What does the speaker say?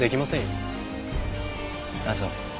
ああそう。